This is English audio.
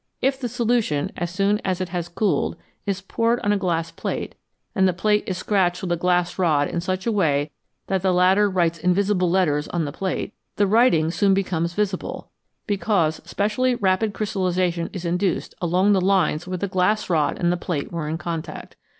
If the solution, as soon as it has cooled, is poured on a glass plate, and the plate is scratched with a glass rod in such a way that the latter writes invisible letters on the plate, the writing soon becomes visible, because specially rapid crystallisation is induced along the lines where the glass rod and plate were in contact.